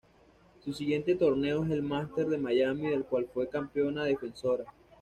Su siguiente torneo es el Masters de Miami del cual fue campeona defensora.